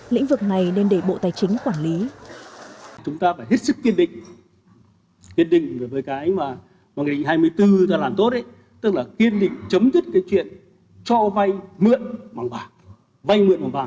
lĩnh vực này nên để bộ tài chính quản lý